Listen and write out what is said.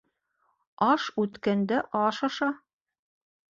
Аш үткәндә аш аша